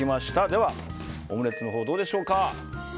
では、オムレツのほうはどうでしょうか。